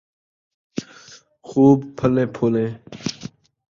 خوب پھلیں پھُلیں